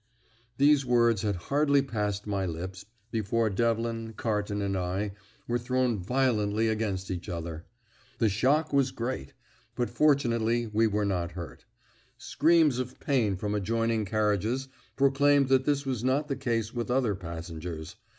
These words had hardly passed my lips before Devlin, Carton, and I were thrown violently against each other. The shock was great, but fortunately we were not hurt. Screams of pain from adjoining carriages proclaimed that this was not the case with other passengers.